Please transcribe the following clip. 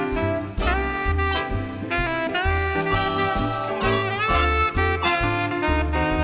สวัสดีครับสวัสดีครับ